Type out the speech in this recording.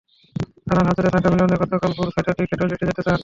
থানার হাজতে থাকা মিলন গতকাল ভোর ছয়টার দিকে টয়লেটে যেতে চান।